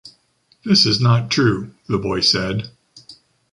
“This is not true,” the boy said.